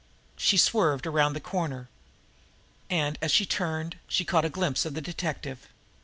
She swerved around the corner. And, as she turned, she caught a glimpse of the detective.